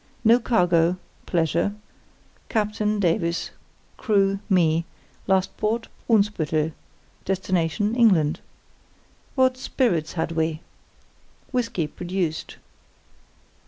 No cargo (pleasure); captain, Davies; crew, me; last port, Brunsbüttel; destination, England. What spirits had we? Whisky, produced.